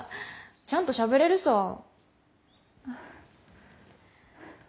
ちゃんとしゃべれるさぁ。